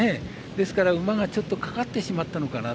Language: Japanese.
ですから馬がかかってしまったのかな。